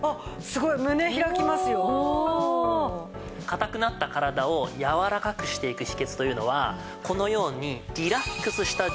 硬くなった体をやわらかくしていく秘訣というのはこのように。